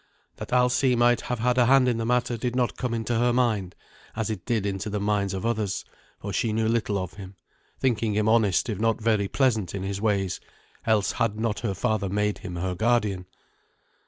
That Alsi might have had a hand in the matter did not come into her mind, as it did into the minds of others, for she knew little of him, thinking him honest if not very pleasant in his ways, else had not her father made him her guardian.